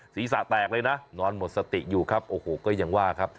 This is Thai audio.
ศีรษะแตกเลยนะนอนหมดสติอยู่ครับโอ้โหก็ยังว่าครับ